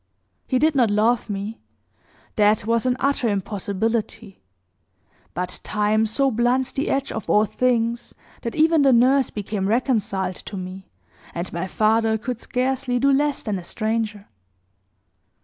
He did not love me that was an utter impossibility; but time so blunts the edge of all things, that even the nurse became reconciled to me, and my father could scarcely do less than a stranger.